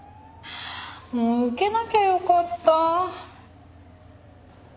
もう受けなきゃよかった。